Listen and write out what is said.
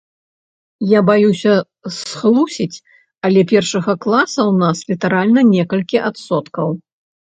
Я баюся схлусіць, але першага класа ў нас літаральна некалькі адсоткаў.